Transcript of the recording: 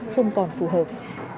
không còn phù hợp